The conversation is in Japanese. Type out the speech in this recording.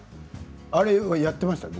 あれやっていましたよ